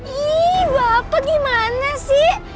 ih bapak gimana sih